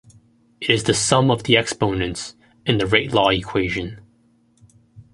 It is the sum of the exponents in the rate law equation.